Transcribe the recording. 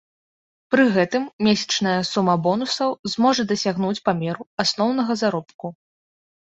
Пры гэтым месячная сума бонусаў зможа дасягнуць памеру асноўнага заробку.